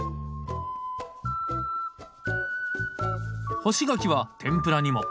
干し柿は天ぷらにも。